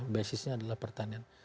basisnya adalah pertanian